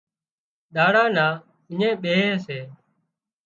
ۮاڙا نا اڃين ٻيهي سي